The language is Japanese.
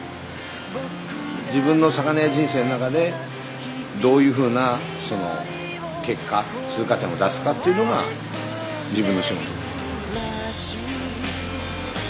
自分の魚屋人生の中でどういうふうな結果通過点を出すかっていうのが自分の仕事。